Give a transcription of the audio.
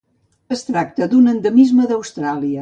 Es tracta d'un endemisme d'Austràlia.